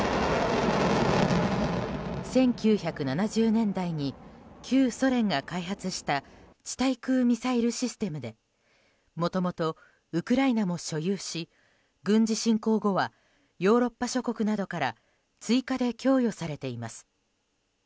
１９７０年代に旧ソ連が開発した地対空ミサイルシステムでもともとウクライナも所有し軍事侵攻後はヨーロッパ諸国などから追加で供与されています。